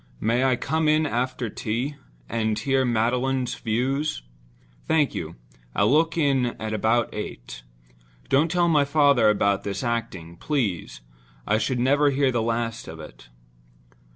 "May I come in after tea, and hear Magdalen's views? Thank you—I'll look in about eight. Don't tell my father about this acting, please; I should never hear the last of it."